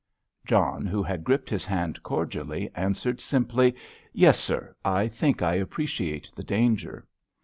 John, who had gripped his hand cordially, answered simply, "Yes, sir; I think I appreciate the danger."